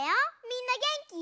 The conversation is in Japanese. みんなげんき？